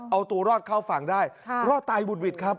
เอาตัวรอดเข้าฝั่งได้รอดตายบุดหวิดครับ